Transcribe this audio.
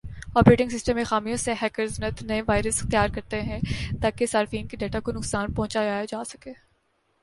operating system میں خامیوں سے ہیکرز نت نئے وائرس تیار کرتے ہیں تاکہ صارفین کے ڈیٹا کو نقصان پہنچایا جاسکے